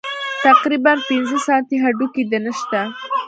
تقريباً پينځه سانتۍ هډوکى دې نشته.